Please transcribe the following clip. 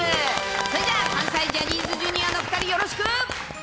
それじゃあ、関西ジャニーズＪｒ．のよろしく。